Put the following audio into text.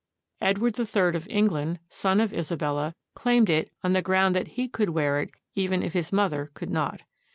Edward III of England, son of Isabella, claimed it on the ground that he could wear it even if his mother could not.